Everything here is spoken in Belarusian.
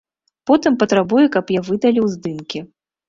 Потым патрабуе, каб я выдаліў здымкі.